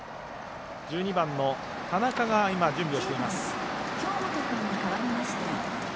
１２番の田中が準備をしています。